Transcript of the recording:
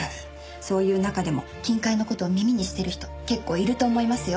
そういう中でも金塊の事を耳にしてる人結構いると思いますよ。